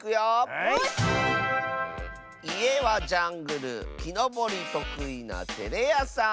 「いえはジャングルきのぼりとくいなてれやさん」。